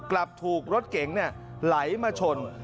กลับถูกรถเก๋งไหลมาชน